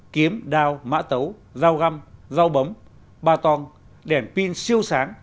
kiếm đao mã tấu dao găm dao bấm bà tong đèn pin siêu sáng